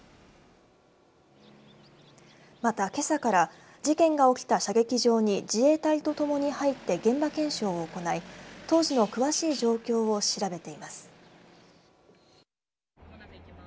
また、けさから事件が起きた射撃場に自衛隊とともに入って現場検証を行い当時の詳しい状況を調べています。